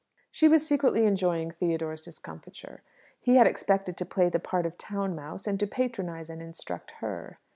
She was secretly enjoying Theodore's discomfiture. He had expected to play the part of town mouse, and to patronize and instruct her.